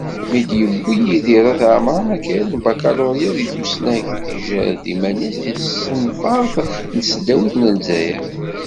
Mi d-yewwi Yidir Ayt Ɛemran akayad n bakalurya deg tusnakt, ijerred iman-is deg tensafart n tesdawit n Lezzayer.